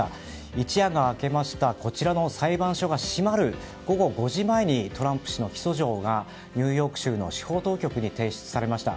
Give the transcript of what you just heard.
一夜が明けましたこちらの裁判所が閉まる午後５時前にトランプ氏の起訴状がニューヨーク州の司法当局に提出されました。